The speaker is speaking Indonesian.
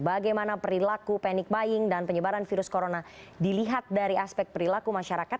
bagaimana perilaku panic buying dan penyebaran virus corona dilihat dari aspek perilaku masyarakat